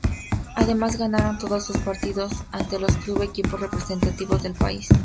Además ganaron todos sus partidos ante los clubes y equipos representativos del país.